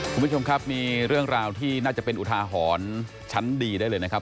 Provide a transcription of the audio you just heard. คุณผู้ชมครับมีเรื่องราวที่น่าจะเป็นอุทาหรณ์ชั้นดีได้เลยนะครับ